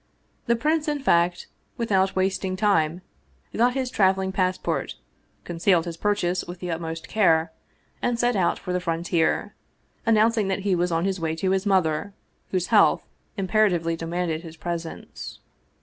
The prince, in fact, without wasting time got his trav eling passport, concealed his purchase with the utmost care, and set out for the frontier, announcing that he was on his way to his mother, whose health imperatively demanded his presence.